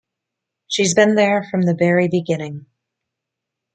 She's been there from the very beginning.